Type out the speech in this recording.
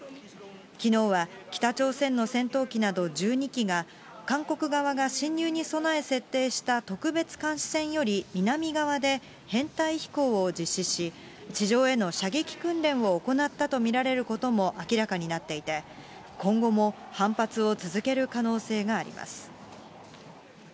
きのうは北朝鮮の戦闘機など１２機が、韓国側が侵入に備え設定した特別監視線より南側で、編隊飛行を実施し、地上への射撃訓練を行ったと見られることも明らかになっていて、今後も反発を続ける可能性があります。